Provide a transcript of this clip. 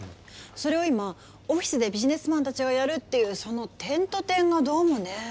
それを今オフィスでビジネスマンたちがやるっていうその点と点がどうもねえ。